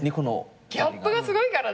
ギャップがすごいからね。